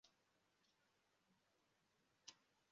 Umugabo ukoresha urwembe imbere yinyanja